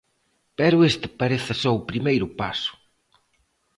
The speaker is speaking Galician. Pero este parece só o primeiro paso.